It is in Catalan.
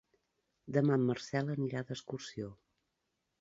Demà en Marcel anirà d'excursió.